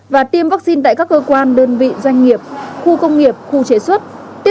và tiêm vaccine tại các cơ quan đơn vị doanh nghiệp khu công nghiệp khu chế xuất